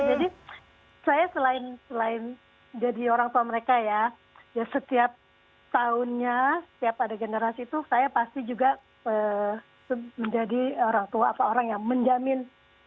jadi saya selain jadi orang tua mereka ya setiap tahunnya setiap ada generasi itu saya pasti juga menjadi orang tua atau orang yang menjamin